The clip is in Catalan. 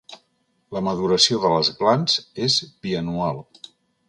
La maduració de les glans és bianual.